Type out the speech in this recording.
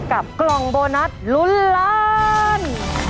กับกล่องโบนัสลุ้นล้าน